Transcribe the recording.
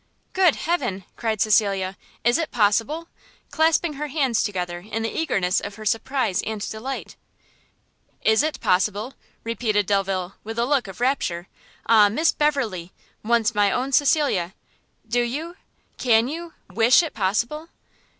"Good Heaven!" cried Cecilia, "is it possible!" clasping her hands together in the eagerness of her surprise and delight. "Is it possible!" repeated Delvile, with a look of rapture; "ah Miss Beverley! once my own Cecilia! do you, can you wish it possible?"